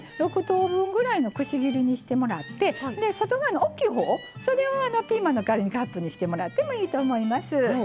６等分ぐらいのくし切りにしてもらって外側の大きいほうをそれをピーマンの代わりにカップにしてもらってもいいと思います。